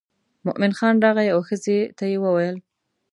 مومن خان راغی او ښځې ته یې وویل.